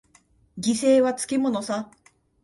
犠牲はつきものさ。